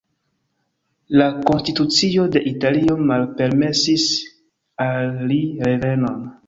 La konstitucio de Italio malpermesis al li revenon.